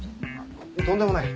とんでもない。